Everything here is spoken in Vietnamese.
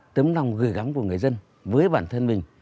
tấm lòng gửi gắm của người dân với bản thân mình